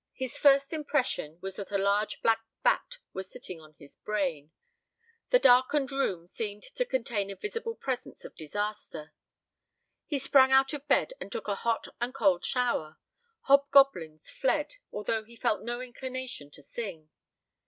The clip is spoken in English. His first impression was that a large black bat was sitting on his brain. The darkened room seemed to contain a visible presence of disaster. He sprang out of bed and took a hot and cold shower; hobgoblins fled, although he felt no inclination to sing!